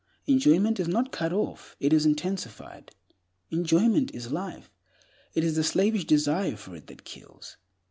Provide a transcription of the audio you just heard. Enjoyment is not cut off; it is intensified. Enjoyment is life; it is the slavish desire for it that kills.